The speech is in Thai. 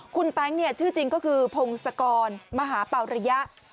คุณแต๊งชื่อจริงก็คือพงศกรมหาเป่าระยะ